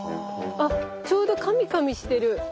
あちょうどカミカミしてる。